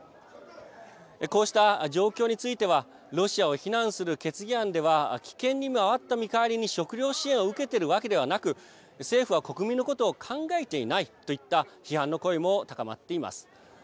こうした状況についてはロシアを非難する決議案では棄権に回った見返りに食糧支援を受けているわけではなく政府は、国民のことを考えていないといった批判の声も高まっています。